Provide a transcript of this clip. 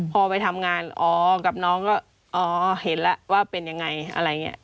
พอไปทำงานอ๋อกับน้องก็อ๋อเห็นแล้วว่าเป็นยังไงอะไรอย่างนี้